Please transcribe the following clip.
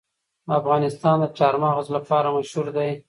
افغانستان د چار مغز لپاره مشهور دی.